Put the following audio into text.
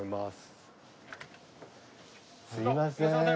すいません。